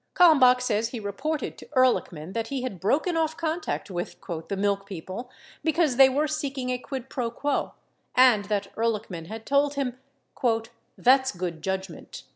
Kalmbach says he reported to Ehrlichman that, he had broken off contact with the "milk people" because they were seeking a quid pro quo and that Ehrlichman had told him "that's good judgment."